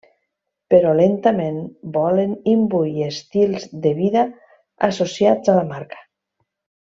Però lentament volen imbuir estils de vida associats a la marca.